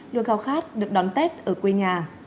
luôn giao khát được đón tết ở quê nhà